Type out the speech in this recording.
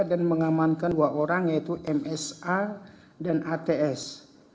dan mengamankan dua orang yaitu msa dan ats